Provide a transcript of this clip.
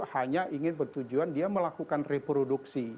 hanya ingin bertujuan dia melakukan reproduksi